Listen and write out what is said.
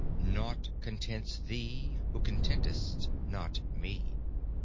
naught contents thee, who content'st not Me."